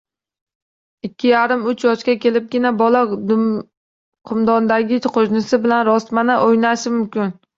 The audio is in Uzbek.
Ikki yarim-uch yoshga kelibgina bola “qumdondagi qo‘shnisi” bilan rosmana o‘ynashi mumkin.